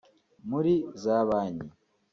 muri za Banki